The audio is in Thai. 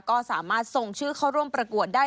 ก็สามารถส่งชื่อเข้าร่วมประกวดได้